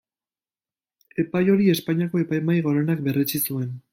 Epai hori Espainiako Epaimahai Gorenak berretsi zuen.